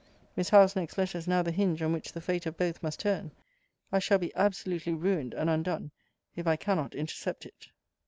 Miss Howe's next letter is now the hinge on which the fate of both must turn. I shall be absolutely ruined and undone, if I cannot intercept it.